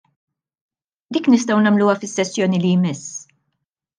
Dik nistgħu nagħmluha fis-sessjoni li jmiss.